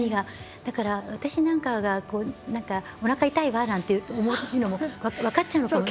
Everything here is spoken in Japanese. だから、私なんかがおなか痛いわっていうのも分かっちゃうのかな。